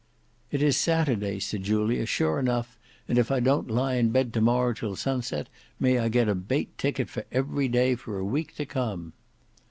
"It is Saturday," said Julia, "sure enough; and if I don't lie in bed to morrow till sunset, may I get a bate ticket for every day for a week to come."